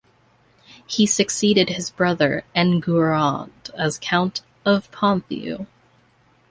He succeeded his brother Enguerrand as Count of Ponthieu.